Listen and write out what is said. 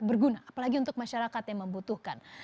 berguna apalagi untuk masyarakat yang membutuhkan